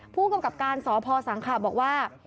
ผู้กำกับการสพสังขะบอกว่า